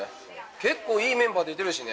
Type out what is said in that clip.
結構、いいメンバー出てるしね。